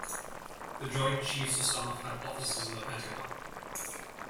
The Joint Chiefs of Staff have offices in The Pentagon.